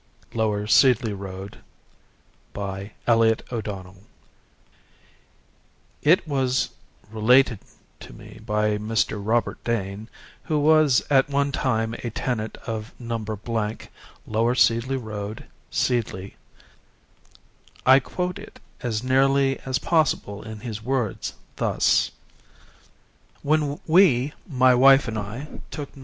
Lower Seedley Road, Seedley, Manchester_ It was related to me by Mr. Robert Dane, who was at one time a tenant of No. Lower Seedley Road, Seedley. I quote it as nearly as possible in his words, thus: "When we my wife and I took No.